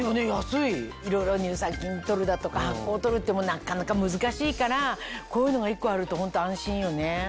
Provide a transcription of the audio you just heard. いろいろ乳酸菌取るだとか発酵を取るってなかなか難しいからこういうのが１個あるとホント安心よね。